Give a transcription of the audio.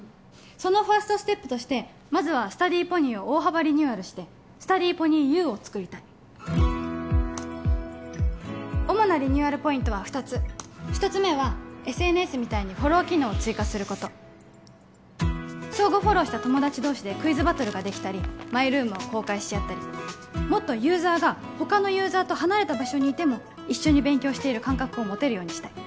そのファーストステップとしてまずはスタディーポニーを大幅リニューアルしてスタディーポニーＵを作りたい主なリニューアルポイントは２つ１つ目はＳＮＳみたいにフォロー機能を追加すること相互フォローした友達同士でクイズバトルができたりマイルームを公開し合ったりもっとユーザーが他のユーザーと離れた場所にいても一緒に勉強している感覚を持てるようにしたい